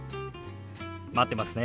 待ってますね。